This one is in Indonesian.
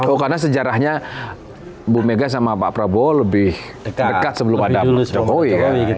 oh karena sejarahnya bu mega sama pak prabowo lebih dekat sebelum ada jokowi ya